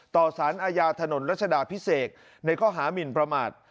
สารอาญาถนนรัชดาพิเศษในข้อหามินประมาท